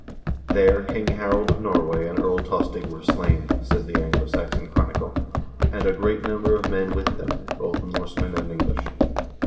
" There King Harald of Norway and Earl Tostig were slain," says the " Anglo Saxon Chronicle," 2 " and a great number of men with them, both Norsemen and English."